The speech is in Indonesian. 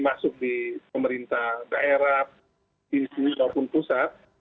masuk di pemerintah daerah bisnis ataupun pusat